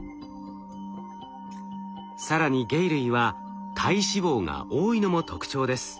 更に鯨類は体脂肪が多いのも特徴です。